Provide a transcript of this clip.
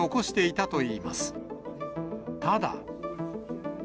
ただ。